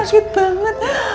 ini sakit banget